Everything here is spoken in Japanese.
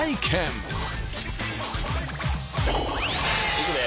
いくで。